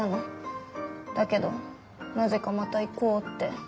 だけどなぜかまた行こうって。